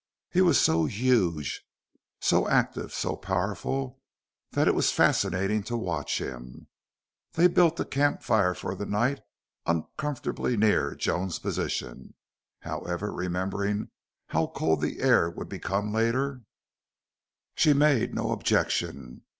He was so huge, so active, so powerful that it was fascinating to watch him. They built the camp fire for the night uncomfortably near Joan's position; however, remembering how cold the air would become later, she made no objection.